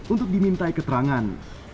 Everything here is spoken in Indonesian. untuk dimintai keterangan